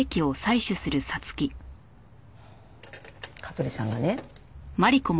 香取さんがね